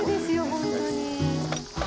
ホントに。